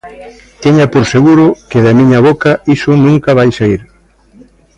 Teña por seguro que da miña boca iso nunca vai saír.